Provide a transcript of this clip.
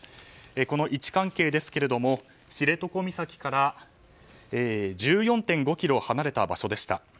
この位置関係ですが、知床岬から１４．５ｋｍ離れた場所でした。